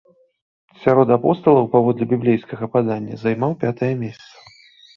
Сярод апосталаў, паводле біблейскага падання, займаў пятае месца.